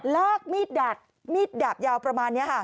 ลากมีดดัดมีดดาบยาวประมาณนี้ค่ะ